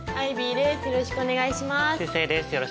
よろしくお願いします。